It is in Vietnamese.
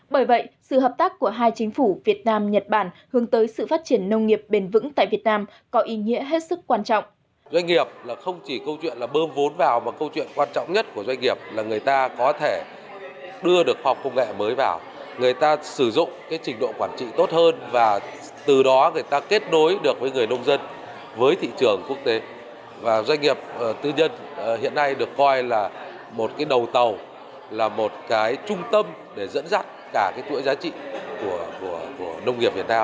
bởi vậy sự hợp tác của hai chính phủ việt nam nhật bản hướng tới sự phát triển nông nghiệp bền vững tại việt nam có ý nghĩa hết sức quan trọng